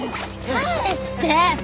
返して！